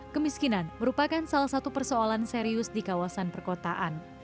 kemiskinan merupakan salah satu persoalan serius di kawasan perkotaan